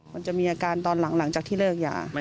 มันจะมีอาการตอนหลังจากที่เลิกยา